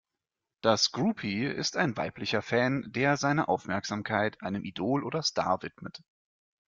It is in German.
Das Groupie ist ein weiblicher Fan, der seine Aufmerksamkeit einem Idol oder Star widmet.